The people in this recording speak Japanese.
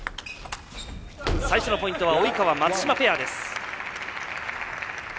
最初のポイントは及川、松島ペアです。